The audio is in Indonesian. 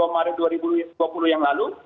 dua maret dua ribu dua puluh yang lalu